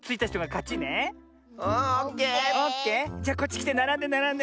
じゃこっちきてならんでならんで。